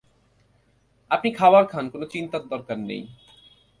আপনি খাবার খান, কোনো চিন্তার দরকার নেই।